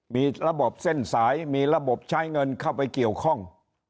มีระบบเส้นสายมีระบบใช้เงินเข้าไปเกี่ยวข้อง